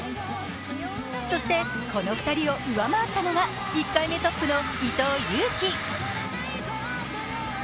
そして、この２人を上回ったのが１回目トップの伊藤有希。